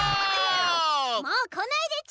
もうこないでち。